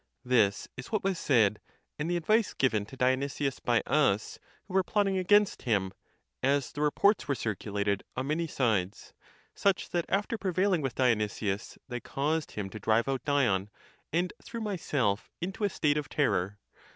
, This is what was said and the advice given to Dionysius by us, who were plotting against him, as the reports were cir culated on many sides. Such, that after prevailing with Dio nysius, they caused him to drive out Dion, and threw myself into a state of terror.